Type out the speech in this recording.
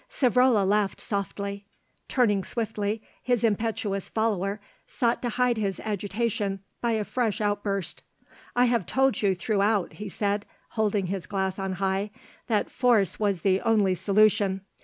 Savrola laughed softly. Turning swiftly, his impetuous follower sought to hide his agitation by a fresh outburst. "I have told you throughout," he said, holding his glass on high, "that force was the only solution.